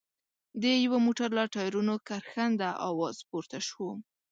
د يوه موټر له ټايرونو کرښنده اواز پورته شو.